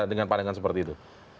dengan pandangan seperti itu